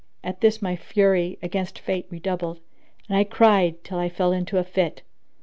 At this my fury against Fate redoubled, and I cried till I fell into a fit.